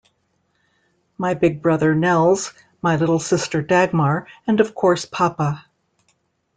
My big brother Nels, my little sister Dagmar, and of course, Papa.